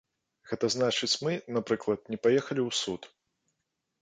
Гэта значыць мы, напрыклад, не паехалі ў суд.